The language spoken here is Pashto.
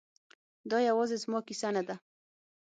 دا یوازې زما کیسه نه ده